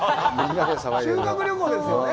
修学旅行ですよね。